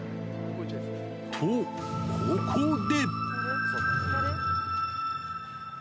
と、ここで。